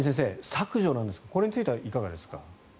削除なんですがこれについてはいかがですか。